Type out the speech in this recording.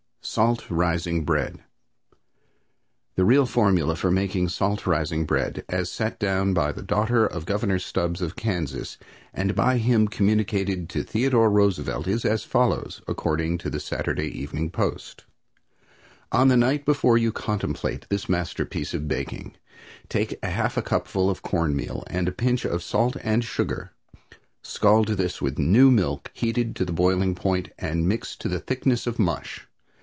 ] SALT RISING BREAD. The real formula for making salt rising bread, as set down by the daughter of Governor Stubbs, of Kansas, and by him communicated to Theodore Roosevelt, is as follows, according to the "Saturday Evening Post": "On the night before you contemplate this masterpiece of baking take half a cupful of corn meal and a pinch each of salt and sugar. Scald this with new milk heated to the boiling point and mix to the thickness of mush.